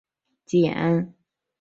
检察官业绩考评